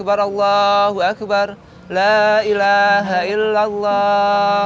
assalamualaikum warahmatullahi wabarakatuh